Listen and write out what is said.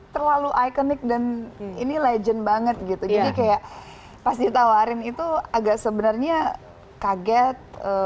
terlalu ikonik dan ini legend banget gitu jadi kayak pas ditawarin itu agak sebenarnya kaget